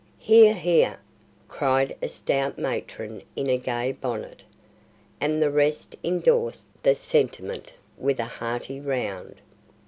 "Hear! hear!" cried a stout matron in a gay bonnet, and the rest indorsed the sentiment with a hearty round.